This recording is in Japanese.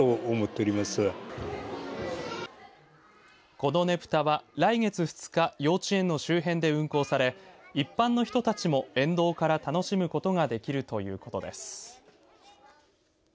このねぷたは来月２日幼稚園の周辺で運行され一般の人たちも沿道から楽しむことができるということです。